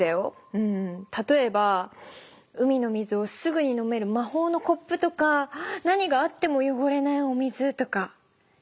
うんたとえば海の水をすぐに飲めるまほうのコップとか何があってもよごれないお水とかできないかなあ。